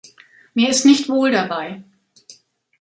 Mir ist nicht wohl dabei.